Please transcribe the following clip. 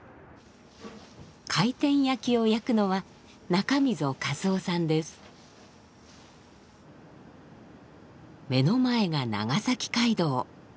回転焼きを焼くのは目の前が長崎街道。